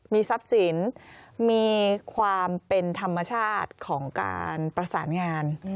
มีทรัพย์สินมีความเป็นธรรมชาติของการประสานงาน